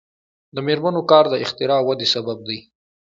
د میرمنو کار د اختراع ودې سبب دی.